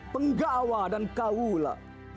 penggawa dan kaula